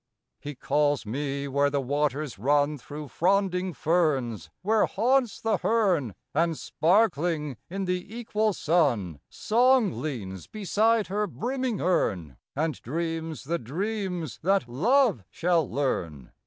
He calls me where the waters run Through fronding ferns where haunts the hern; And, sparkling in the equal sun, Song leans beside her brimming urn, And dreams the dreams that love shall learn.